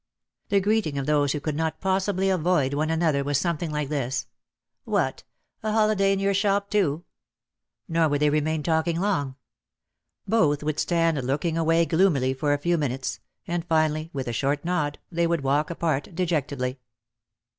The greeting of those who could not possibly avoid one another was something like this, "What ! A holiday in your shop, too ?" Nor would they remain talking long. Both would stand looking away gloomily for a few minutes and finally with a short nod they would walk apart dejectedly.